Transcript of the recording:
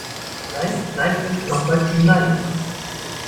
Nein, nein und nochmals nein!